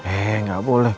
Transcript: eh nggak boleh